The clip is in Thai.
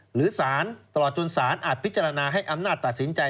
หรือสารตลอดจนศาลอาจพิจารณาให้อำนาจตัดสินใจ